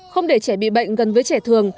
không để trẻ bị bệnh gần với trẻ thường